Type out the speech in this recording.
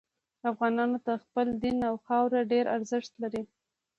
افغانانو ته خپل دین او خاوره ډیر ارزښت لري